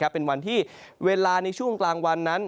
เป็นวันที่เวลาในช่วงกลางวันนั้น